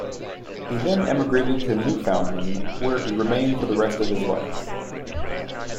He then emigrated to Newfoundland, where he remained for the rest of his life.